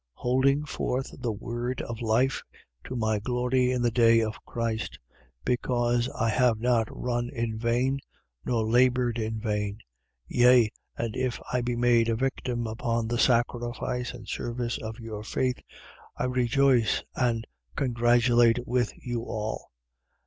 2:16. Holding forth the word of life to my glory in the day of Christ: because I have not run in vain, nor laboured in vain. 2:17. Yea, and if I be made a victim upon the sacrifice and service of your faith, I rejoice and congratulate with you all.